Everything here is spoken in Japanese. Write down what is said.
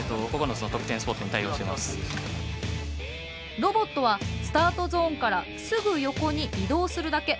ロボットはスタートゾーンからすぐ横に移動するだけ。